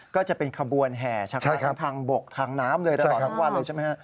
ก็จะเป็นขบวนแห่ชักไปทั้งทางบกทางน้ำเลยตลอดทั้งวันเลยใช่ไหมฮะ